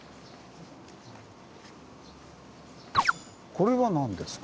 これは何ですか？